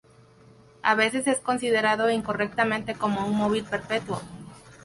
A veces es considerado incorrectamente como un móvil perpetuo.